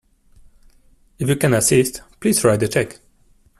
If you can assist, please write a cheque.